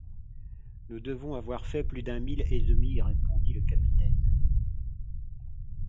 Nous devons avoir fait plus d’un mille et demi, répondit le capitaine.